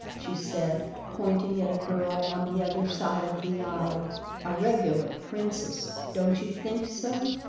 she said, pointing at a girl on the other side of the aisle. "A regular princess. Don't you think so?"